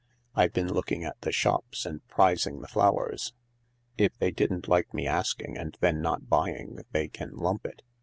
" I bin looking at the shops and prizing the flowers. If they didn't like me asking and then not buying they can lump it.